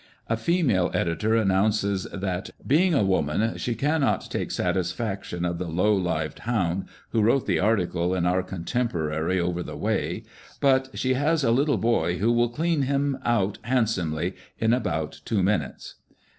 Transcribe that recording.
A female editor announces that, " Being a woman, she can not take satisfaction of the low lived hound who wrote the article in our contemporary over the way, but, she has a little boy who will clean him out handsomely in about two minutes."